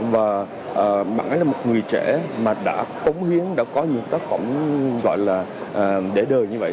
và bạn ấy là một người trẻ mà đã tống hiến đã có những tác phẩm gọi là để đời như vậy